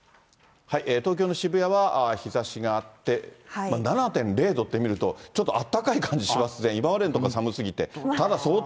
東京の渋谷は日ざしがあって、７．０度って見ると、ちょっとあったかい感じしますね、今までの所が寒すぎて。